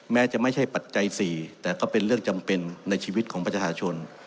แม้จะไม่ใช่ปัจจัย๔แต่ก็เป็นเรื่องจำเป็นในชีวิตของประชาชน